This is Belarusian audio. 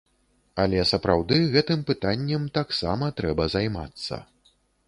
Але сапраўды, гэтым пытаннем таксама трэба займацца.